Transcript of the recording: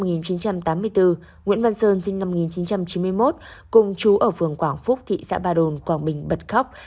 nguyễn văn sơn sinh năm một nghìn chín trăm chín mươi một cùng chú ở phường quảng phúc thị xã ba đồn quảng bình bật khóc